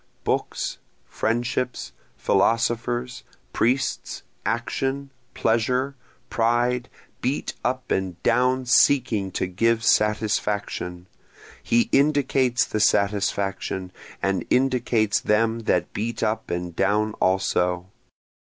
Books, friendships, philosophers, priests, action, pleasure, pride, beat up and down seeking to give satisfaction, He indicates the satisfaction, and indicates them that beat up and down also.